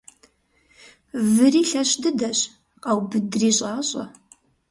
Выри лъэщ дыдэщ — къаубыдри щӀащӀэ.